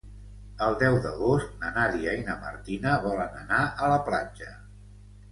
El deu d'agost na Nàdia i na Martina volen anar a la platja.